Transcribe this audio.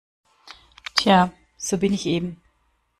Tja, so bin ich eben.